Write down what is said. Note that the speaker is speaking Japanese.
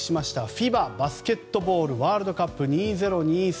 ＦＩＢＡバスケットボールワールドカップ２０２３。